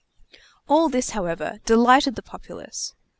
All this, however, delighted the populace.